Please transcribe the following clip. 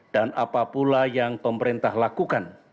dan apa pula yang pemerintah lakukan